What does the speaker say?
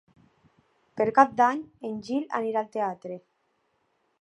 Per Cap d'Any en Gil anirà al teatre.